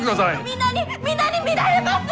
皆に皆に見られます！